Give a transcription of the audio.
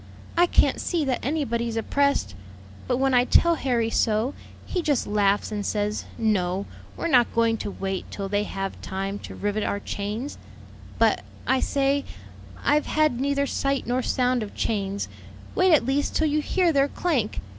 I can't see that anybody's oppressed; but when I tell Harry so, he just laughs and says, 'No, we're not going to wait till they have time to rivet our chains,' 'But,' I say, 'I've had neither sight nor sound of chains; wait at least till you hear their clank.'